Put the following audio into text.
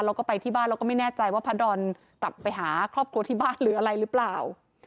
เราก็ไปที่บ้านเราก็ไม่แน่ใจว่าพระดอนกลับไปหาครอบครัวที่บ้านหรืออะไรหรือเปล่า